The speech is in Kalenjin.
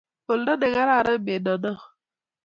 olda ne karan pendo noo